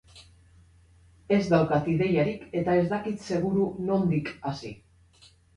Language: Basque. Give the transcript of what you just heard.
Ez daukat ideiarik eta ez dakit seguru nondik hasi.